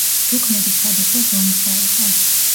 დუქნები სხვადასხვა ზომისა იყო.